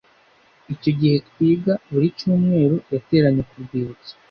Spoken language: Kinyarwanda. icyo gihe twiga buri cyumweru yateranye ku rwibutso